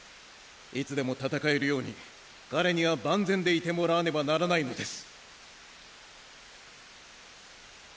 いつでも戦えるように彼には万全でいてもらわねばならないのです！